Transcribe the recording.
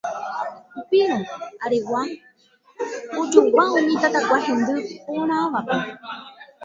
Upérõ Aregua ojogua umi tatakua hendy porãvape.